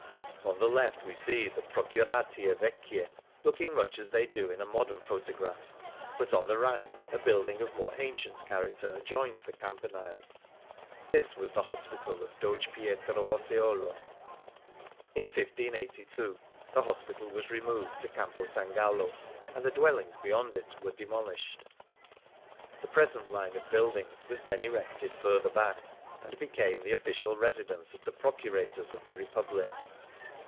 On the left we see the Procuratie Vecchie looking much as they do in a modern photograph ; but on the right a build ing of more ancient character adjoins the Cam panile. This was the Hospital of Doge Pietro Orseolo. In 1582 the hospital was removed to Campo S. Gallo, and the dwellings beyond it were demolished ; the present line of buildings was then erected further back, and became the official residence of the Procurators of the Re public.